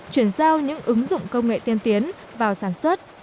chuyển giao những ứng dụng công nghệ tiên tiến vào sản xuất